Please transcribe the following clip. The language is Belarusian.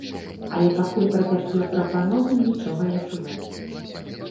Але пакуль пра такія прапановы нічога не чуваць.